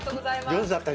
上手だったよ。